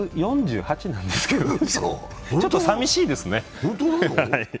僕の中では１４８なんですけどちょっとさみしいですね。